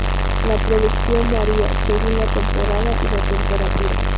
La producción varía según la temporada y la temperatura.